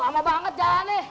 lama banget jalan nih